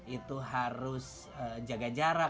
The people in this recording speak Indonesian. itu harus jaga jarak